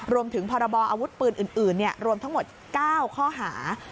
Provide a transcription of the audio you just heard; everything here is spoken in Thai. รวมถึงพรบออาวุธปืนอื่นเนี่ยรวมทั้งหมด๙ข้อหา